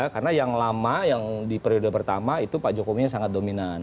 karena yang lama yang di periode pertama itu pak jokowi sangat dominan